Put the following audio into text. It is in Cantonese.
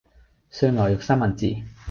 碎牛肉三文治